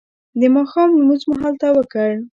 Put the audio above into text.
د ماښام لمونځ مو هلته وکړ.